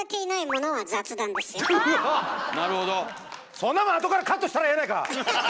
そんなもんあとからカットしたらええやないか！